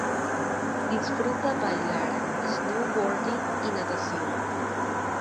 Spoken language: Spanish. Disfruta Bailar, Snowboarding y Natación.